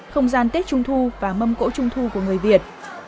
không gian tết trung thu và mâm cỗ trung thu của người việt